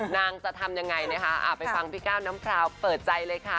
นางจะทำยังไงนะคะไปฟังพี่ก้าวน้ำพราวเปิดใจเลยค่ะ